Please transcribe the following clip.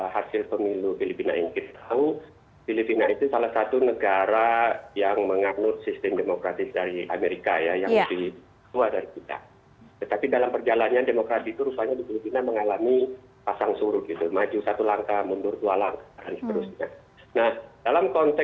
hasil pemilu filipina yang kita tahu filipina itu salah satu negara yang menganut sistem demokratis dari amerika yang lebih luar dari kita